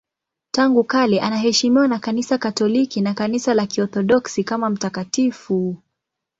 Tangu kale anaheshimiwa na Kanisa Katoliki na Kanisa la Kiorthodoksi kama mtakatifu.